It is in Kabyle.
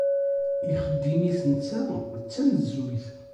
Ixeddim-is netta d tanezzuyt.